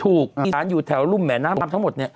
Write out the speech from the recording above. ถูกมีสถานอยู่แถวรุ่มแหม่น้ำทั้งหมด